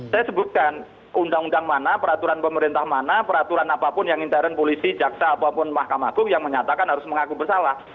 saya sebutkan undang undang mana peraturan pemerintah mana peraturan apapun yang intern polisi jaksa apapun mahkamah agung yang menyatakan harus mengaku bersalah